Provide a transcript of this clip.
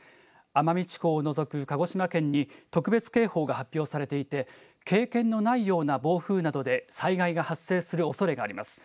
奄美地方を除く鹿児島県に特別警報が発表されていて、経験のないような暴風などで災害が発生するおそれがあります。